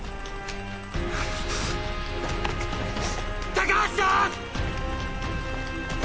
高橋さん！！